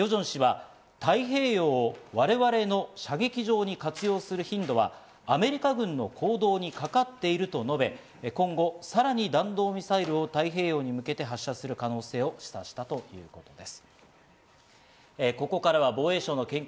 ヨジョン氏は太平洋を我々の射撃場に活用する頻度はアメリカ軍の行動にかかっていると述べ、今後さらに弾道ミサイルを太平洋に向けて発射する可能性を示唆したということです。